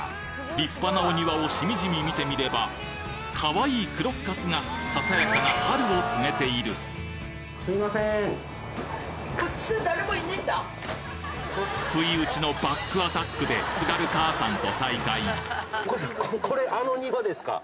立派なお庭をしみじみ見てみればかわいいクロッカスがささやかな春を告げている不意打ちのバックアタックでお母さん。